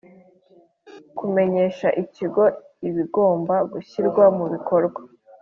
Kumenyesha Ikigo ibigomba gushyirwa mu bikorwa